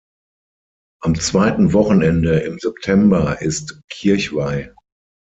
Am zweiten Wochenende im September ist Kirchweih.